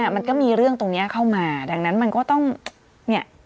มันก็มีเรื่องตรงนี้เข้ามาดังนั้นมันก็ต้องเนี่ย